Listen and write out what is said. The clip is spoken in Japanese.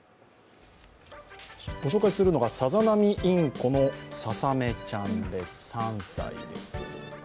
ご紹介するのがサザナミインコのささめちゃんです、３歳です。